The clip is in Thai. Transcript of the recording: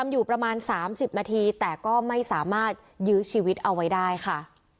ยื้อชีวิตเอาไว้ได้ค่ะ